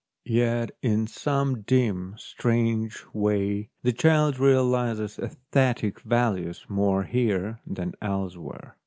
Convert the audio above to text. Yet in some dim, strange way the child realises aesthetic values more here than else where.